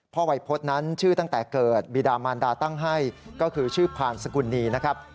วัยพฤษนั้นชื่อตั้งแต่เกิดบีดามานดาตั้งให้ก็คือชื่อพานสกุลนีนะครับ